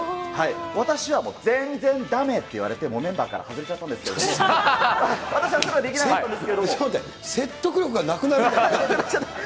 私は全然だめって言われて、メンバーから外れちゃったんですけれども、私はできなかったんで説得力がなくなるんだから。